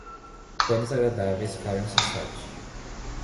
Planos agradáveis falham sem sorte.